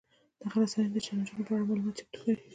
دغه رسنۍ د چلنجونو په اړه معلومات چمتو کوي.